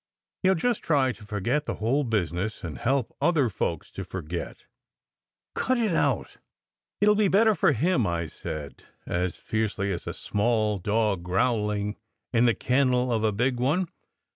He ll just try to forget the whole business, and help other folks to forget cut it out." "It will be better for him!" I said, as fiercely as a small dog growling in the kennel of a big one.